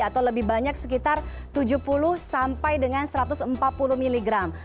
atau lebih banyak sekitar tujuh puluh sampai dengan satu ratus empat puluh miligram